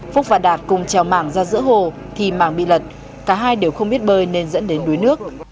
phúc và đạt cùng trèo mảng ra giữa hồ thì mảng bị lật cả hai đều không biết bơi nên dẫn đến đuối nước